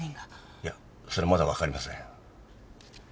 いやそれはまだわかりません。